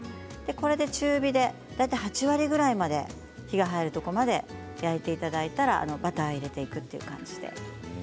これで中火で大体８割ぐらいまで火が入るところまで焼いていただいたらバターを入れていきます。